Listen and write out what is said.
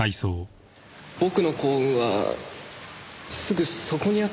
僕の幸運はすぐそこにあったんです。